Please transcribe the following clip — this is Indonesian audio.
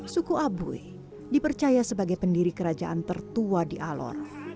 suku abue dipercaya sebagai pendiri kerajaan tertua di alor